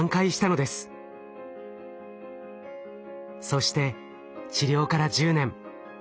そして治療から１０年。